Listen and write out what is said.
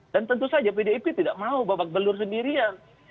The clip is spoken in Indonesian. dan tentu saja pdip tidak mau babak belur sendirian